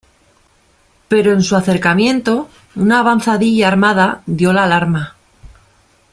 Pero en su acercamiento, una avanzadilla armada dio la alarma.